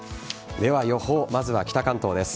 では予報、まずは北関東です。